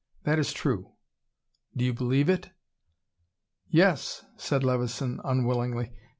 That is true. Do you believe it ?" "Yes," said Levison unwillingly.